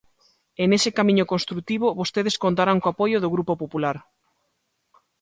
E nese camiño construtivo vostedes contarán co apoio do Grupo Popular.